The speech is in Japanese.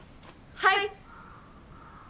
はい！